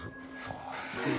そうっすね。